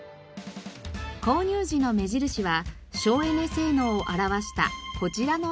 購入時の目印は省エネ性能を表したこちらのラベル。